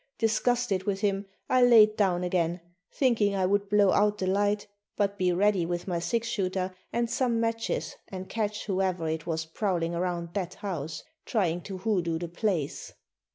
Disgusted with him, I laid down again, thinking I would blow out the light, but be ready with my six shooter and some matches and catch whoever it was prowling around that house, trying to hoodoo the place.